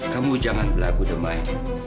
kamu jangan berlagu demai